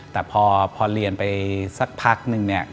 แต่พอเรียนไปสักพักหนึ่ง